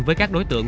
với các đối tượng